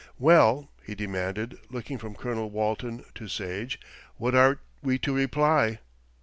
"Well," he demanded, looking from Colonel Walton to Sage, "what are we to reply?"